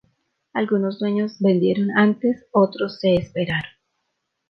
Algunos dueños vendieron antes, otros se esperaron.